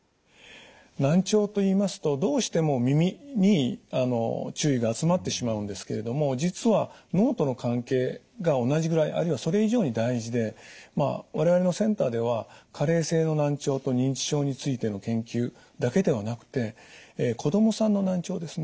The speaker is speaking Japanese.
難聴といいますとどうしても耳に注意が集まってしまうんですけれども実は脳との関係が同じぐらいあるいはそれ以上に大事で我々のセンターでは加齢性の難聴と認知症についての研究だけではなくて子供さんの難聴ですね。